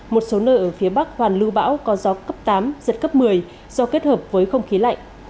một số nơi ở phía bắc hoàn lưu bão có gió cấp tám giật cấp một mươi do kết hợp với không khí lạnh